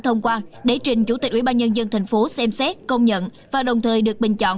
thông qua đế trình chủ tịch ủy ban nhân dân tp xem xét công nhận và đồng thời được bình chọn